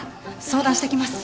相談してきます。